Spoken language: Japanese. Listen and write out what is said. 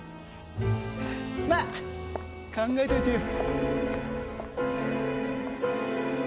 まあ考えといてよ。